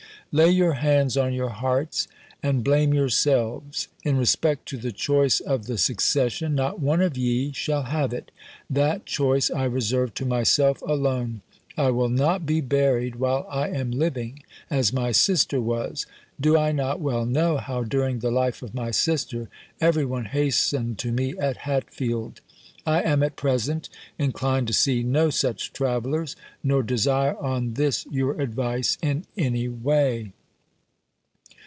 Lay your hands on your hearts, and blame yourselves. In respect to the choice of the succession, not one of ye shall have it; that choice I reserve to myself alone. I will not be buried while I am living, as my sister was. Do I not well know, how during the life of my sister every one hastened to me at Hatfield; I am at present inclined to see no such travellers, nor desire on this your advice in any way.